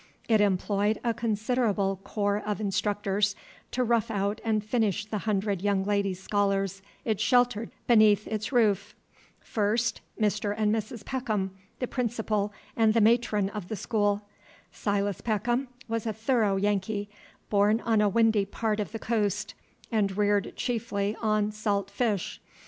It employed a considerable corps of instructors to rough out and finish the hundred young lady scholars it sheltered beneath its roof. First, Mr. and Mrs. Peckham, the Principal and the Matron of the school. Silas Peckham was a thorough Yankee, born on a windy part of the coast, and reared chiefly on salt fish.